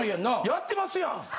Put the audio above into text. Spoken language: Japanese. やってますやん！